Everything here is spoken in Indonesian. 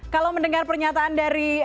kalau mendengar pernyataan dari